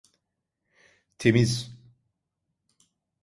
Temiz!